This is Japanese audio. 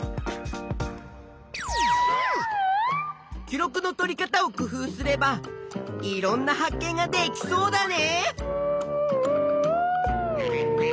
記録のとり方を工夫すればいろんな発見ができそうだね！